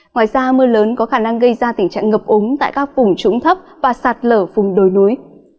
ngoài ra mưa lớn có khả năng gây ra tình trạng ngập ống tại các vùng trũng thấp và sạt lở vùng đồi núi